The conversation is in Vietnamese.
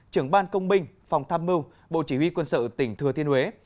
trưởng ban công binh phòng tham mưu bộ chỉ huy quân sự tỉnh thừa thiên huế